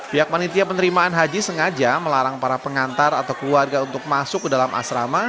pihak panitia penerimaan haji sengaja melarang para pengantar atau keluarga untuk masuk ke dalam asrama